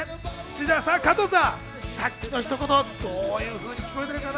続いては加藤さん、さっきのひと言、どういうふうに聞こえてるかな？